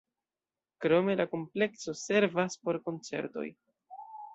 Krome la komplekso servas por koncertoj.